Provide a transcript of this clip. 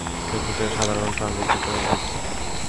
এ চুক্তিটি সাধারনত ট্রানজিট চুক্তি নামে পরিচিত।